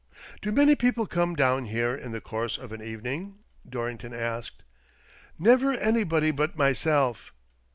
" Do many people come down here in the course of an evening?" Dorrington asked. " Never anybody but myself."